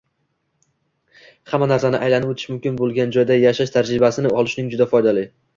hamma narsani aylanib oʻtish mumkin boʻlgan joyda yashash tajribasini olishning juda foydali.